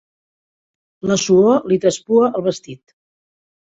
La suor li traspua el vestit.